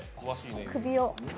首を。